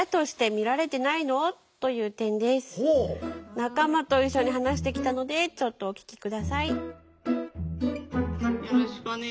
仲間と一緒に話してきたのでちょっとお聞き下さい。